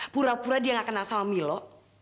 pura pura dia gak kenal sama milo